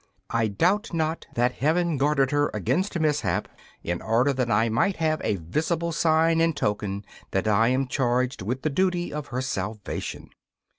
I doubt not that Heaven guarded her against mishap in order that I might have a visible sign and token that I am charged with the duty of her salvation.